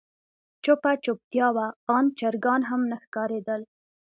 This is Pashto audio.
چوپه چوپتيا وه آن چرګان هم نه ښکارېدل.